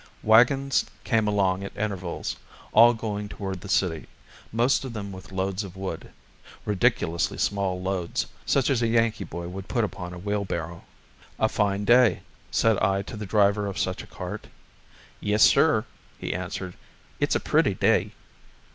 Wagons came along at intervals, all going toward the city, most of them with loads of wood; ridiculously small loads, such as a Yankee boy would put upon a wheelbarrow. "A fine day," said I to the driver of such a cart. "Yes, sir," he answered, "it's a pretty day."